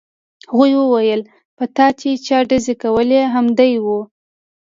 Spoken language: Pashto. هغې وویل په تا چې چا ډزې کولې همدی و